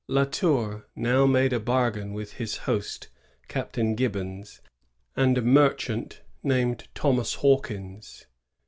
La Tour now made a bargain with his host, Captain Gibbons, and a merchant named Thomas Hawkins.